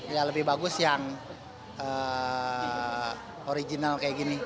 ya lebih bagus yang original kayak gini